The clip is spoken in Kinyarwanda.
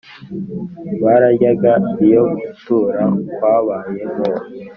Bararyaga iyo gutura kwabaye mu